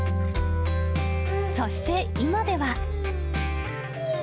そして、今では。